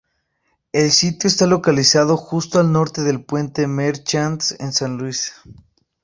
El sitio está localizado justo al norte del Puente Merchants en San Luis.